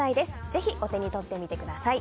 ぜひ、お手に取ってみてください。